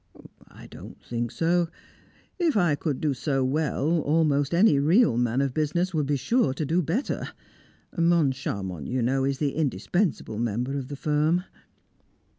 "I don't think so. If I could do so well, almost any real man of business would be sure to do better. Moncharmont, you know, is the indispensable member of the firm."